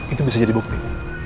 itu bisa jadi bukti